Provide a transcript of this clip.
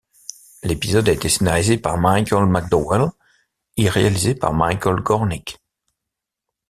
L'épisode a été scénarisé par Michael McDowell et réalisé par Michael Gornick.